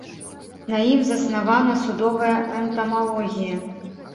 На ім заснавана судовая энтамалогія.